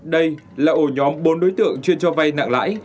đây là ổ nhóm bốn đối tượng chuyên cho vay nặng lãi